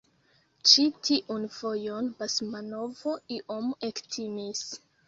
Ĉi tiun fojon Basmanov iom ektimis.